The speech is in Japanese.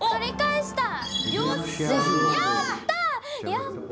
やった！